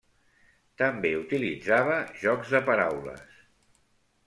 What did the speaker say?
També utilitzava jocs de paraules.